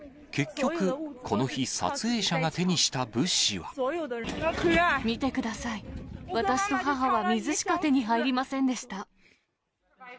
結局、この日、撮影者が手に見てください、私と母は水しか手に入りませんでした。